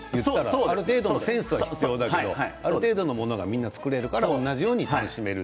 ある程度のセンスは必要だけどある程度のものは作れるから同じように楽しめる。